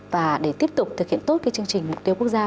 và để tiếp tục thực hiện tốt cái chương trình mục tiêu quốc gia